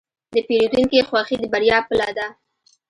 د پیرودونکي خوښي د بریا پله ده.